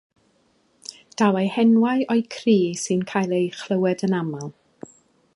Daw eu henwau o'u cri sy'n cael ei chlywed yn aml.